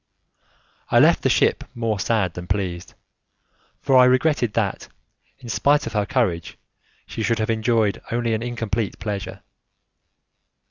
I left the ship more sad than pleased, for I regretted that, in spite of her courage, she should have enjoyed only an incomplete pleasure.